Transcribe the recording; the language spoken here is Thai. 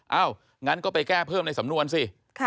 งั้นก็ไปแก้เพิ่มในสำนวนสิ